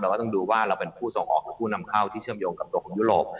ก็ต้องดูว่าเราเป็นผู้ส่งออกของผู้นำเข้าที่เชื่อมโยงกับตัวของยุโรป